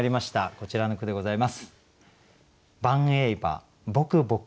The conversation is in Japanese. こちらの句でございます。